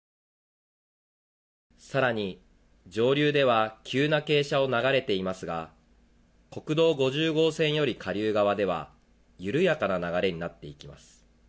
さらに、上流では急な傾斜を流れていますが国道５０号線より下流側では緩やかな流れになっていきます。